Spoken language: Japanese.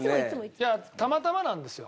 いやたまたまなんですよ。